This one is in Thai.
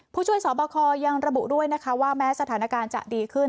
ผู้ช่วยสอบคอยังระบุด้วยนะคะว่าแม้สถานการณ์จะดีขึ้น